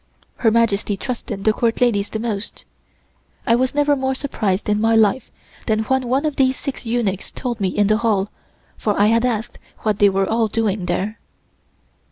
Her Majesty trusted the Court ladies the most. I was never more surprised in my life than when one of these six eunuchs told me in the hall, for I had asked what they were all doing there.